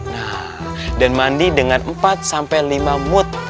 nah dan mandi dengan empat sampai lima mood